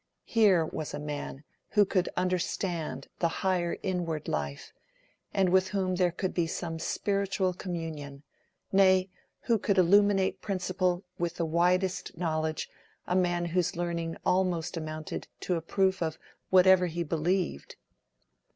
Here was a man who could understand the higher inward life, and with whom there could be some spiritual communion; nay, who could illuminate principle with the widest knowledge: a man whose learning almost amounted to a proof of whatever he believed!